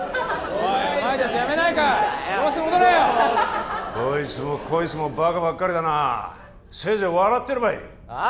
お前達やめないか教室戻れどいつもこいつもバカばっかりだなせいぜい笑ってればいいああ？